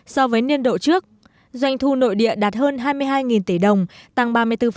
so với niên độ trước doanh thu nội địa đạt hơn hai mươi hai tỷ đồng tăng ba mươi bốn